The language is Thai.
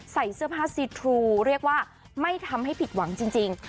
ใส่เสื้อผ้าซีทรูเรียกว่าไม่ทำให้ผิดหวังจริง